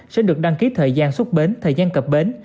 sẽ được đăng ký thời gian xuất bến thời gian cập bến